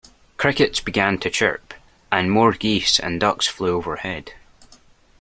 Crickets began to chirp, and more geese and ducks flew overhead.